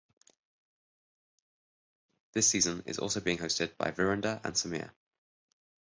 This season is also being hosted by Virender and Samir.